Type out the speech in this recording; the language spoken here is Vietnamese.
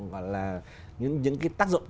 gọi là những cái tác dụng